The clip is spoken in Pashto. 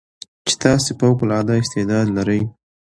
چې تاسې فوق العاده استعداد لرٸ